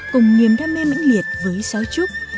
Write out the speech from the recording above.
cùng niềm đam mê mãnh liệt với xáo trúc